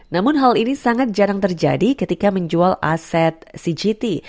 namun hal ini sangat jarang terjadi ketika menjual aset cgt